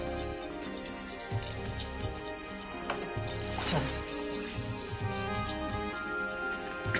こちらです。